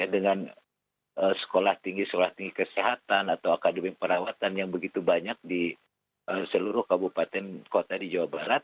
dengan sekolah tinggi sekolah tinggi kesehatan atau akademi perawatan yang begitu banyak di seluruh kabupaten kota di jawa barat